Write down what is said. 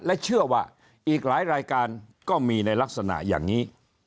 และเชื่อว่าอีกหลายรายการก็มีในลักษณะอย่างนี้